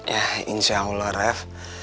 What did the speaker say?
yah insya allah ref